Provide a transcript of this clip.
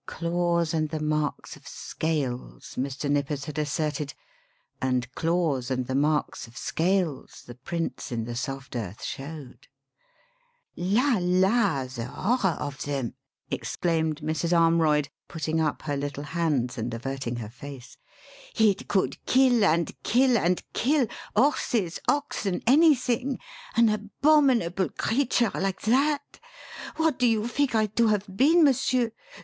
Claws and the marks of scales, Mr. Nippers had asserted; and claws and the marks of scales the prints in the soft earth showed. "La! la! the horror of them," exclaimed Mrs. Armroyd, putting up her little hands and averting her face. "It could kill and kill and kill horses, oxen, anything an abominable creature like that! What do you figure it to have been, monsieur?